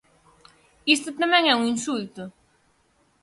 Isto tamén é un insulto.